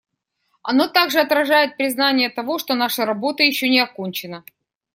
Оно также отражает признание того, что наша работа еще не окончена.